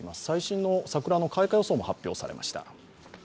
最新の桜の開花予想も発表されました。